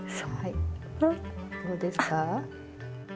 どうですか？